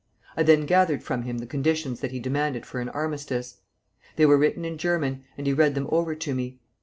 I then gathered from him the conditions that he demanded for an armistice. They were written in German, and he read them over to me.